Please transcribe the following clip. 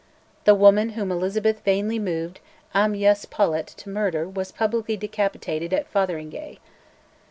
The woman whom Elizabeth vainly moved Amyas Paulet to murder was publicly decapitated at Fotheringay.